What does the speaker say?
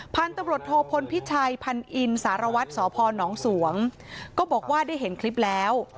พันธุ์ตำรวจโทพลพิชัยพันอินสารวัตรสพนสวงก็บอกว่าได้เห็นคลิปแล้ว